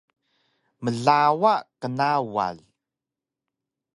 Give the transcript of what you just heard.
Mlawa qnawal